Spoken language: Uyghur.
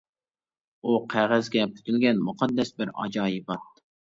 ئۇ قەغەزگە پۈتۈلگەن مۇقەددەس بىر ئاجايىبات.